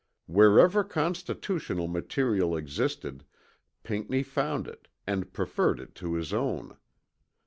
Wherever constitutional material existed, Pinckney found it, and preferred it to his own.